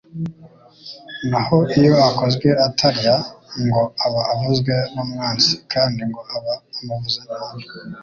Naho iyo akozwe atarya, ngo aba avuzwe n’umwanzi kandi ngo aba amuvuze nabi